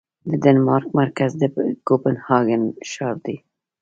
د ډنمارک مرکز د کوپنهاګن ښار دی